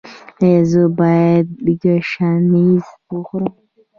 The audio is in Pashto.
ایا زه باید ګشنیز وخورم؟